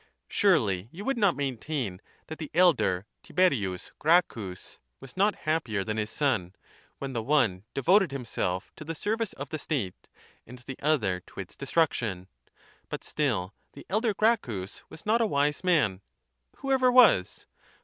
Surely you would not maintain that the elder Tiberius Gracchus was not happier than his son, when the one devoted himself to the service of the state and the other to its destruction. But still the elder Gracchus was not a Wise Man; who ever was?